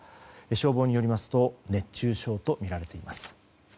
消防によりますと熱中症とみられています。